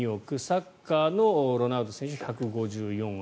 サッカーのロナウド選手１５４億。